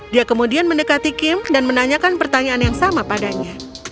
dia kemudian mendekati kim dan menanyakan pertanyaan yang sama padanya